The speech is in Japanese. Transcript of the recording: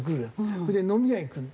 それで飲み屋へ行くの。